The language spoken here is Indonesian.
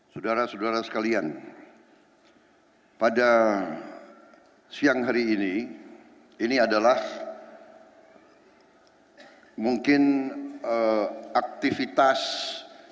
saudara saudara sekalian pada siang hari ini ini adalah mungkin aktivitas resmi dalam rangka kampanye